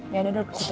iya duduk disitu